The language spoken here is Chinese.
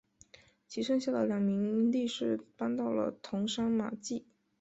其剩下的两名力士搬到了桐山马厩。